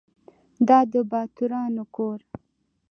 دا د باتورانو کور .